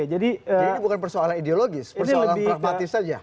jadi ini bukan persoalan ideologis persoalan pragmatis saja